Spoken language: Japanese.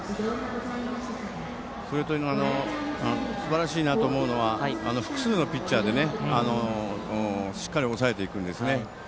それとすばらしいなと思うのが複数のピッチャーでしっかりと抑えていくんですね。